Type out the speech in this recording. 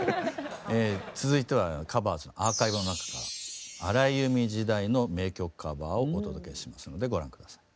続いては「ＴｈｅＣｏｖｅｒｓ」のアーカイブの中から荒井由実時代の名曲カバーをお届けしますのでご覧下さい。